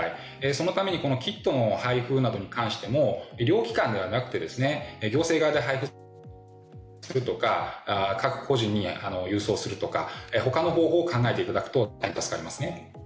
そのためにキットの配布に関しても医療機関ではなくて行政側で配布するとか各個人に郵送するとかほかの方法を考えていただくと大変助かりますね。